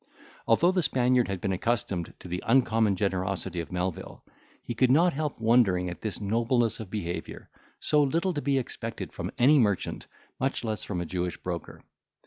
Although the Spaniard had been accustomed to the uncommon generosity of Melvil, he could not help wondering at this nobleness of behaviour, so little to be expected from any merchant, much less from a Jewish broker.